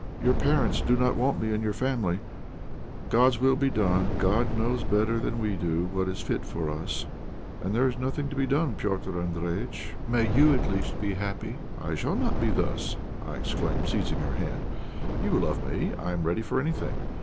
Your parents do not want me in your family; God's will be done! God knows better than we do what is fit for us. There is nothing to be done, Petr' Andréjïtch; may you at least be happy." "It shall not be thus!" I exclaimed, seizing her hand. "You love me; I am ready for anything.